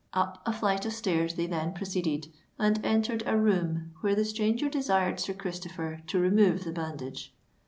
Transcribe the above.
Up a flight of stairs they then proceeded, and entered a room, where the stranger desired Sir Christopher to remove the bandage.